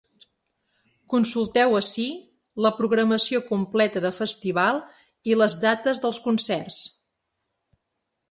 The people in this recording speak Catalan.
Consulteu ací la programació completa de festival i les dates dels concerts.